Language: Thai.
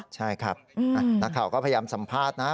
ใช่ครับนักข่าวก็พยายามสัมภาษณ์นะ